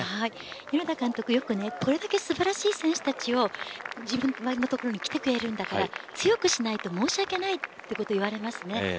米田監督はよく、これだけ素晴らしい選手たちを自分のところに来てくれるんだから強くしないと申しわけないということを言われます。